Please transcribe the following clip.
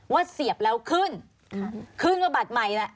เสียบแล้วขึ้นขึ้นว่าบัตรใหม่น่ะ